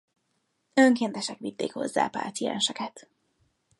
Önkéntesek vitték hozzá a pácienseket.